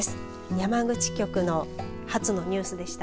山口局の発のニュースでした。